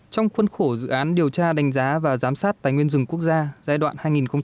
trong khuân khổ dự án điều tra đánh giá và giám sát tài nguyên rừng quốc gia giai đoạn hai nghìn một mươi sáu hai nghìn hai mươi